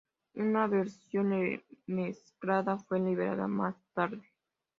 Una versión remezclada fue liberada más tarde.